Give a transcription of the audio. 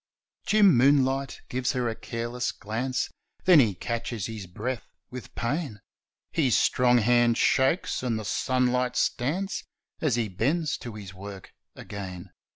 Jim Moonlight gives her a careless glance Then he catches his breath with pain His strong hand shakes and the sunlights dance As he bends to his work again.